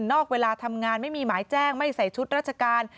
อกเวลาทำงานไม่มีหมายแจ้งไม่ใส่ชุดราชการ